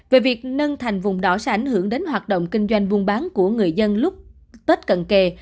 về việc nâng thành vùng đỏ sẽ ảnh hưởng đến hoạt động kinh doanh buôn bán của người dân lúc tết cận kề